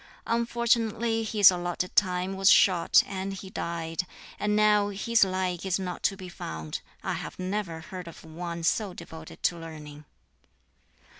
Unfortunately his allotted time was short, and he died, and now his like is not to be found; I have never heard of one so devoted to learning."